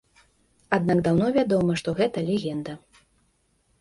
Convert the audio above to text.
Аднак даўно вядома, што гэта легенда.